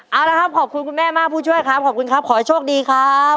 เอาละครับขอบคุณคุณแม่มากผู้ช่วยครับขอให้โชคดีครับ